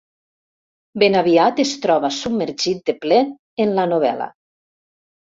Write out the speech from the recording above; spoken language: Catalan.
Ben aviat es troba submergit de ple en la novel·la.